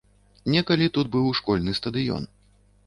Некалі тут быў школьны стадыён.